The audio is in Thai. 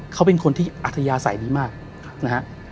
เขาเป็นคนที่อัธยาศัยดีมากนะฮะ